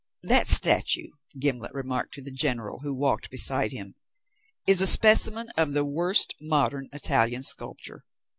"That statue," Gimblet remarked to the General, who walked beside him, "is a specimen of the worst modern Italian sculpture.